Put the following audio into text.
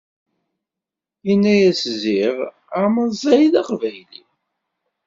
Yenna-yas ziɣ Ɛmer Zzahi d aqbayli!